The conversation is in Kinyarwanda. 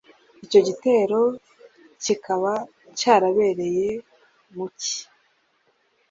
Icyo gitero kikaba cyarabereye mu Cyi .